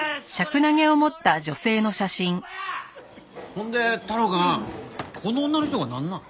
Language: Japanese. ほんで太郎くんこの女の人がなんなん？